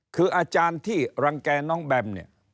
คืออาจารย์ที่รังแก่น้องแบมเนี่ย